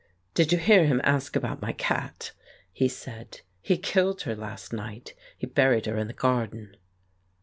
"Did you hear him ask about my cat? " he said. "He killed her last night; he buried her in the garden."